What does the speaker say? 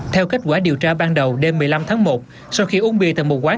theo kết quả điều tra ban đầu đêm một mươi năm tháng một sau khi uống bia tại một quán